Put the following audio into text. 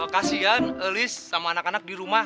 kasian list sama anak anak di rumah